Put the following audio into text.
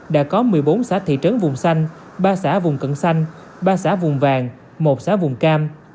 đã có một mươi bốn xã thị trấn vùng xanh ba xã vùng cận xanh ba xã vùng vàng một xã vùng cam